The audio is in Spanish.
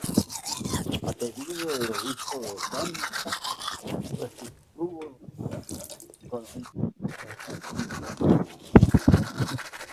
A pedido del Obispo de Salto estuvo colaborando en esa diócesis.